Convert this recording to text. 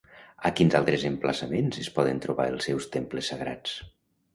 A quins altres emplaçaments es poden trobar els seus temples sagrats?